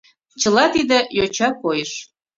Чыла тиде — йоча койыш.